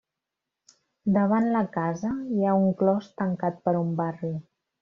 Davant la casa hi ha un clos tancat per un barri.